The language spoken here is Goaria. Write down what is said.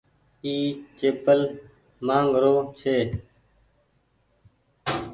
اي چيپل مآنگ رو ڇي۔